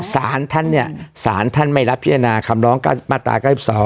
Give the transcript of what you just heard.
สารท่านเนี่ยสารท่านไม่รับพิจารณาคำร้องมาตรา๙๒